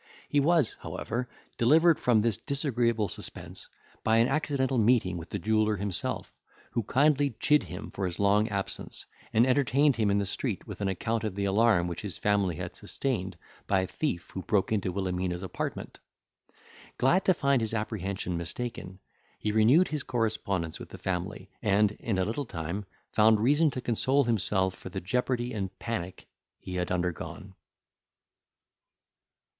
He was, however, delivered from this disagreeable suspense, by an accidental meeting with the jeweller himself, who kindly chid him for his long absence, and entertained him in the street with an account of the alarm which his family had sustained, by a thief who broke into Wilhelmina's apartment. Glad to find his apprehension mistaken, he renewed his correspondence with the family, and, in a little time, found reason to console himself for the jeopardy and panic he had undergone.